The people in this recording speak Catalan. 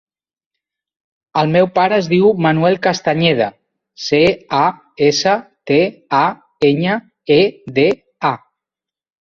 El meu pare es diu Manuel Castañeda: ce, a, essa, te, a, enya, e, de, a.